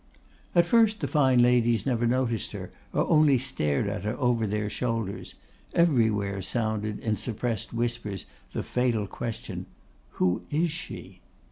At first the fine ladies never noticed her, or only stared at her over their shoulders; everywhere sounded, in suppressed whispers, the fatal question, 'Who is she?